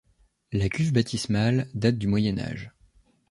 La cuve baptismale date du Moyen Âge.